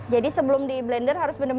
jadi sebelum di blender harus benar benar